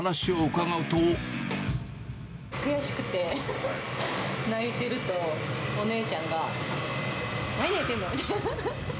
悔しくて泣いてると、お姉ちゃんが、何泣いてるの！みたいな。